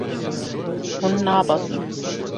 Hûn nabezin.